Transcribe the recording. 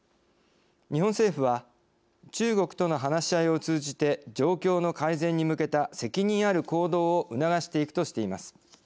日本政府は中国との話し合いを通じて状況の改善に向けた責任ある行動を促していくとしています。